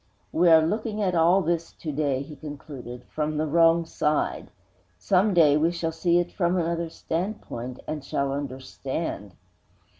We are looking at all this to day,' he concluded, 'from the wrong side. Some day we shall see it from another standpoint, and shall understand.'